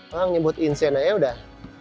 orang nyebut insane aja udah